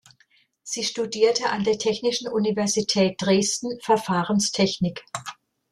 Sie studierte an der Technischen Universität Dresden Verfahrenstechnik.